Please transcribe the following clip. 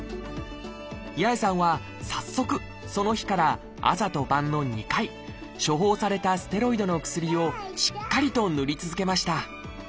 八重さんは早速その日から朝と晩の２回処方されたステロイドの薬をしっかりと塗り続けました。